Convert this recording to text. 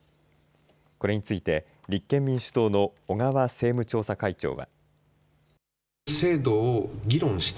これについて立憲民主党の小川政務調査会長は。